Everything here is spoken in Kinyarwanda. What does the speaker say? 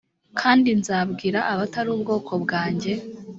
kandi nzabwira abatari ubwoko bwanjye